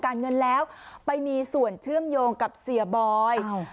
การเงินแล้วไปมีส่วนเชื่อมโยงกับเสียบอย